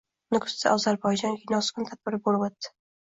Nukusda “Ozarbayjon kinosi kuni” tadbiri bӯlib ӯtdi